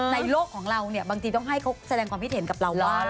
โลกของเราเนี่ยบางทีต้องให้เขาแสดงความคิดเห็นกับเราว่า